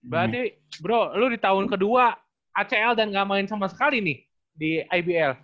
berarti bro lu di tahun ke dua acl dan ga main sama sekali nih di ibl